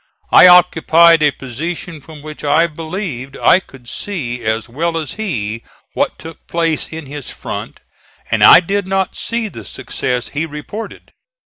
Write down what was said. I occupied a position from which I believed I could see as well as he what took place in his front, and I did not see the success he reported.